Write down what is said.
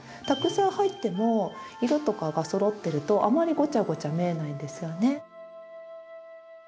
たくさん入っても色とかがそろってるとあまりごちゃごちゃ見えないんですよね。